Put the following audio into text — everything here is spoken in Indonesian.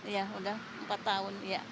iya udah empat tahun